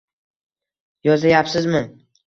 Yozayapsizmi